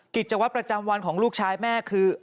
กิจวัตรประจำวันของลูกชายแม่คือ